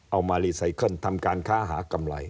เอามารีไซเคิลทำการค้าหากำไร